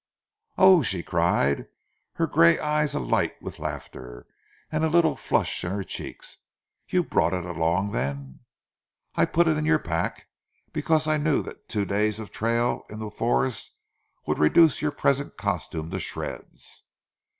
"Oh!" she cried, her grey eyes alight with laughter, and a little flush in her cheeks. "You brought it along then?" "I put it in your pack, because I knew that two days of trail in the forest would reduce your present costume to shreds."